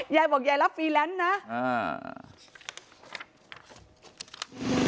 ยายบอกยายรับฟรีแลนนนะ